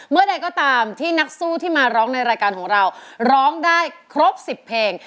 เมื่อใดก็ตามที่นักสู้ที่มาร้องในรายการของเราร้องได้ครบ๑๐เพลง